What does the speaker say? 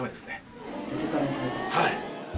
はい！